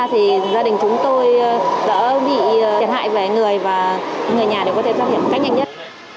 thì gia đình chúng tôi đỡ bị thiệt hại về người và người nhà đều có thể thoát hiển cách nhanh nhất